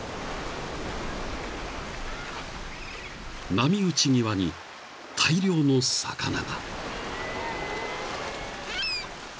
［波打ち際に大量の魚が］